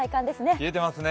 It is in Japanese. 冷えてますね